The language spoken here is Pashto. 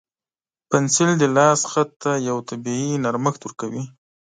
پنسل د لاس خط ته یو طبیعي نرمښت ورکوي.